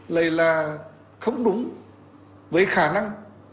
lại là không đúng với khả năng